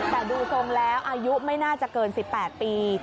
แต่ดูทรงแล้วอายุไม่น่าจะเกิน๑๘ปี